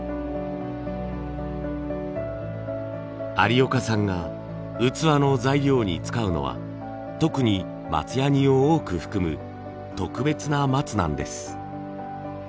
有岡さんが器の材料に使うのは特に松ヤニを多く含む特別な松なんです。